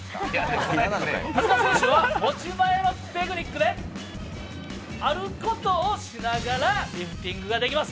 長谷川選手は持ち前のテクニックであることをしながらリフティングができます。